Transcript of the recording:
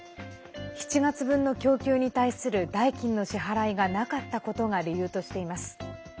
７月分の供給に対する代金の支払いがなかったことが理由としています。